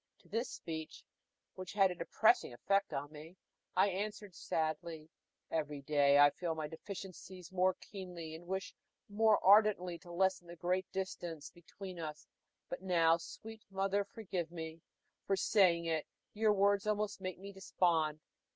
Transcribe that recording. To this speech, which had a depressing effect on me, I answered sadly: "Every day I feel my deficiencies more keenly, and wish more ardently to lessen the great distance between us; but now sweet mother, forgive me for saying it! your words almost make me despond."